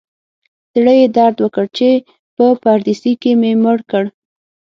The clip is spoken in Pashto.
زړه یې درد وکړ چې په پردیسي کې مې مړ کړ.